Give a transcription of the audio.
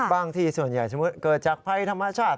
บางที่ส่วนใหญ่เฉพาะเกิดจากไฟธรรมชาติ